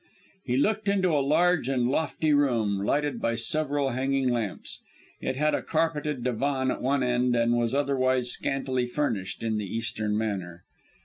He looked into a large and lofty room, lighted by several hanging lamps. It had a carpeted divan at one end and was otherwise scantily furnished, in the Eastern manner.